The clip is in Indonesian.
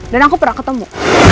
dan aku pernah ketemu